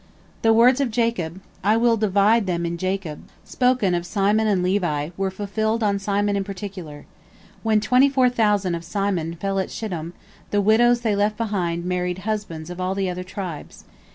The words of Jacob, "I will divide them in Jacob," spoken of Simon and Levi, were fulfilled on Simon in particular. When twenty four thousand of Simon fell at Shittim, the widows they left behind married husbands of all the other tribes.